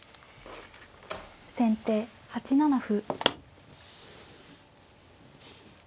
先手８七歩。